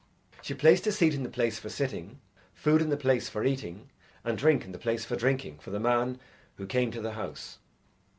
She placed a seat in the place for sitting, food in the place for eating, and drink in the place for drinking for the man who came to the house.